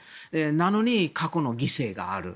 なのに、過去の犠牲がある。